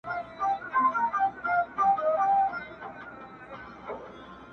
د دنیا له کوره تاته ارمانجن راغلی یمه!